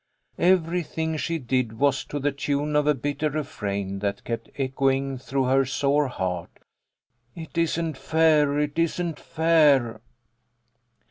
Everything she did was to the tune of a bitter refrain that kept echoing through her sore heart : "It isn't fair! It isn't fair!"